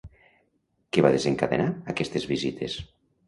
Què va desencadenar aquestes visites?